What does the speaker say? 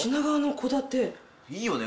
いいよね